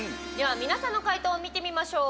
皆さんの解答を見てみましょう。